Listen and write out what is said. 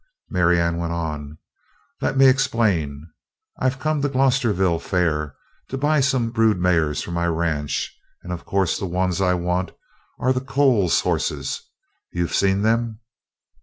Marianne went on: "Let me explain. I've come to the Glosterville fair to buy some brood mares for my ranch and of course the ones I want are the Coles horses. You've seen them?"